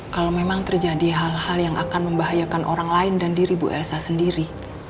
kalau memang terjadi hal hal yang akan membahayakan orang lain dan diri bu elsa sendiri